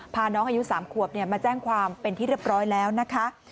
พาน้องอายุ๓ขวบมาแจ้งความเป็นที่เรียบร้อยแล้วนะคะ